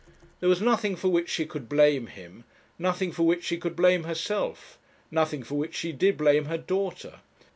There was nothing for which she could blame him; nothing for which she could blame herself; nothing for which she did blame her daughter.